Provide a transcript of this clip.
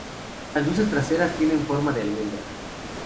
Las luces traseras tienen forma de almendra.